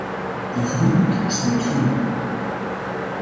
Een groenboek is niet genoeg.